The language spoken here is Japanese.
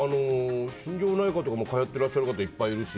心療内科とかに通っていらっしゃる方いっぱいいるし。